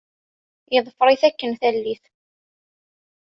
Yeḍfer-it akken tallit.